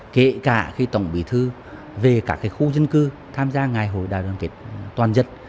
kể cả khi tổng bí thư về các khu dân cư tham gia ngày hội đại đoàn kết toàn dân